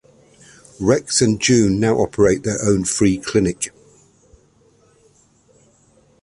Rex and June now operate their own free clinic.